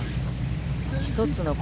１つの。